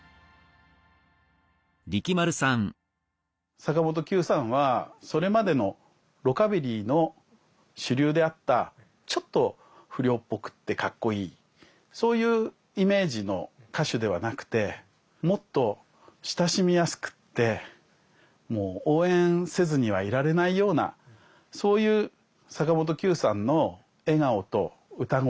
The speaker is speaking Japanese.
坂本九さんはそれまでのロカビリーの主流であったちょっと不良っぽくってかっこいいそういうイメージの歌手ではなくてもっと親しみやすくってもう応援せずにはいられないようなそういう坂本九さんの笑顔と歌声